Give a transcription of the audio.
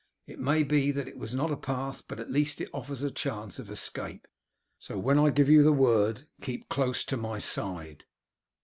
It may be that it was not a path, but at least it offers a chance of escape. So when I give you the word, keep close to my side."